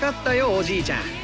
おじいちゃん。